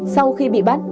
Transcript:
sau khi bị bắt